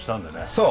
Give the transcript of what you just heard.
そう！